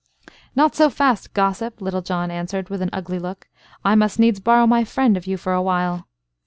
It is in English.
"Not so fast, gossip," Little John answered, with an ugly look; "I must needs borrow my friend of you for a while."